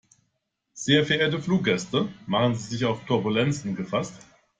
Sehr verehrte Fluggäste, machen Sie sich auf Turbulenzen gefasst.